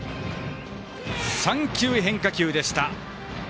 ３球、変化球でした。